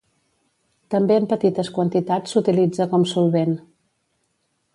També en petites quantitats s'utilitza com solvent.